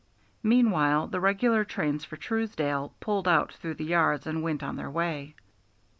Meanwhile the regular trains for Truesdale pulled out through the yards and went on their way.